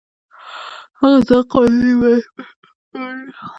هغه ځان قانوني اولسمشر بولي.